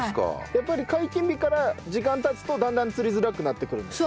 やっぱり解禁日から時間経つとだんだん釣りづらくなってくるんですか？